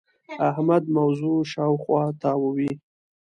احمد موضوع شااوخوا تاووې.